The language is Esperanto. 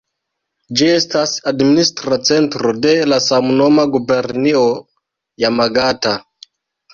Ĝi estas administra centro de la samnoma gubernio Jamagata.